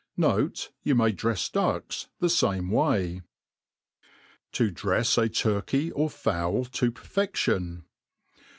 Note, You may drefs ducks the fame way. To drejs a Turkey or Fowl to perfe£Jion.